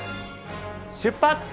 出発。